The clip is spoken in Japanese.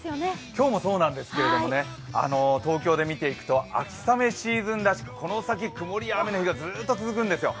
今日もそうなんですけれども、東京で見ていくと、秋雨シーズンらしく、この先、曇りや雨の日がずーっと続くんですよ。